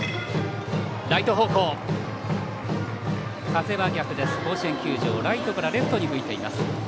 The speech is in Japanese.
風は逆です、甲子園球場ライトからレフトに吹いています。